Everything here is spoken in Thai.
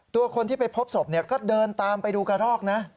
ตัวคนที่ไปพบศพก็เดินตามไปดูกระรอกนะ